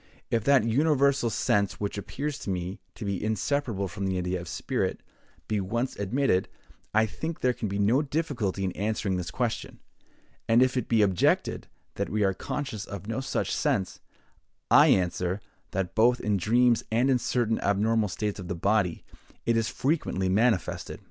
If that universal sense which appears to me to be inseparable from the idea of spirit, be once admitted, I think there can be no difficulty in answering this question; and if it be objected that we are conscious of no such sense, I answer, that both in dreams and in certain abnormal states of the body, it is frequently manifested.